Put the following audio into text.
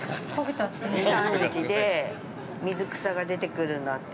◆２３日で水草が出てくるんだって。